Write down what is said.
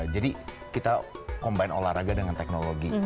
jadi kita combine olahraga dengan teknologi